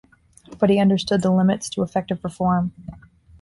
But he understood the limits to effective reform.